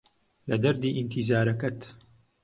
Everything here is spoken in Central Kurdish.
لە دەردی ئینتیزارەکەت